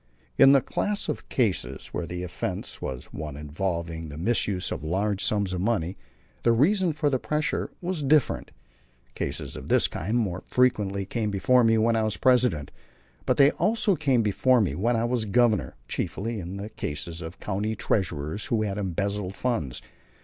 In the class of cases where the offense was one involving the misuse of large sums of money the reason for the pressure was different. Cases of this kind more frequently came before me when I was President, but they also came before me when I was Governor, chiefly in the cases of county treasurers who had embezzled funds.